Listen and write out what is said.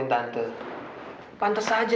ina itu masih bagus saja